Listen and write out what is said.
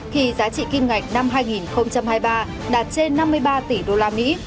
khi giá trị kim ngạch năm hai nghìn hai mươi ba đạt trên năm mươi ba tỷ đô la mỹ